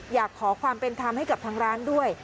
อยากขอความเป็นธรรมให้กับทางร้านด้วย